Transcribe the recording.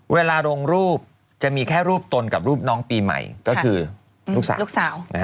เวลาลงรูปจะมีแค่รูปตนกับรูปน้องปีใหม่ก็คือลูกสาว